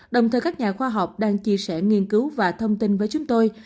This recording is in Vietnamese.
đồng thời các nhà khoa học đang chia sẻ nghiên cứu và thông tin với chúng tôi